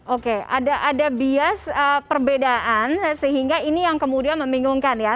oke ada bias perbedaan sehingga ini yang kemudian membingungkan ya